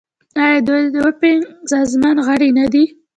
آیا دوی د اوپک سازمان غړي نه دي؟